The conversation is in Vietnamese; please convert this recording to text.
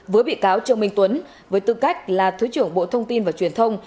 với bị cáo trương minh tuấn với tư cách là thứ trưởng bộ thông tin và truyền thông